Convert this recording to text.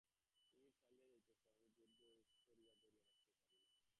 তুমি চলিয়া যাইতেছ, আমি জোর করিয়া ধরিয়া রাখিতে পারি না।